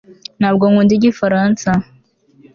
ntabwo nkunda igifaransa